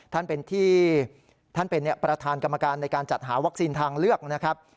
ท่านเป็นที่ท่านเป็นประธานกรรมการในการจัดหาวัคซีนทางเลือกนะครับ